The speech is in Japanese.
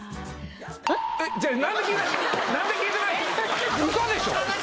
何で聞いてない？